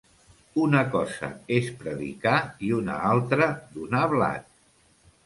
Una cosa és predicar i una altra donar blat.